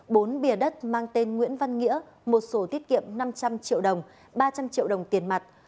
bốn bìa đất mang tên nguyễn văn nghĩa một sổ tiết kiệm năm trăm linh triệu đồng ba trăm linh triệu đồng tiền mặt